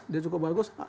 dia cukup bagus